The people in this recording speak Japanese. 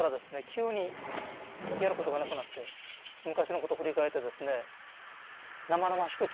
急にやることがなくなって昔のこと振り返ってですね生々しく